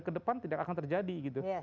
kedepan tidak akan terjadi gitu